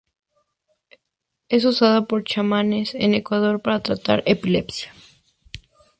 Es usada por chamanes en Ecuador para tratar epilepsia.